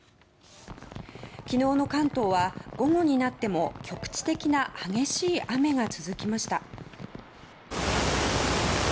昨日の関東は午後になっても局地的な激しい雨が続きました。